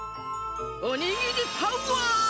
おにぎりパワー！